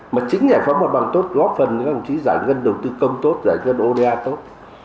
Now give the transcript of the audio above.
mà chính giải phóng mặt bành tốt góp phần với giải ngân đầu tư công tốt giải ngân oda tốt